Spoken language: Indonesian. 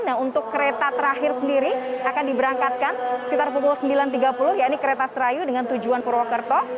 nah untuk kereta terakhir sendiri akan diberangkatkan sekitar pukul sembilan tiga puluh ya ini kereta serayu dengan tujuan purwokerto